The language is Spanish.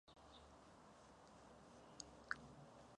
Las Águilas eran realmente gigantescas.